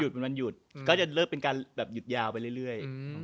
เป็นวันหยุดก็จะเลิกเป็นการแบบหยุดยาวไปเรื่อย